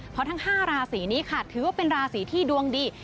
เพราะทั้ง๕ราศีนี้ค่ะถือว่าเป็นราศีที่ดวงดี